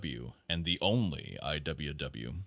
W. W. and THE ONLY I. W. W.